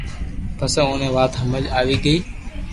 پسو اوني وات ھمج آوي گئي